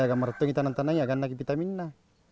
untuk menarik petani kita harus menggunakan vitaminnya